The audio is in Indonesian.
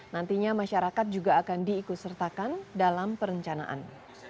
nantinya masyarakat juga akan diikusertakan dalam perencanaan